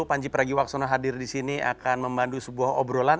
panji pragiwaksono hadir disini akan memandu sebuah obrolan